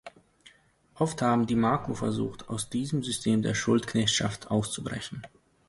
Oft haben die Maku versucht, aus diesem System der Schuldknechtschaft auszubrechen.